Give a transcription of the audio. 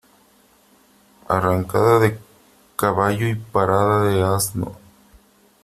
Arrancada de caballo y parada de asno.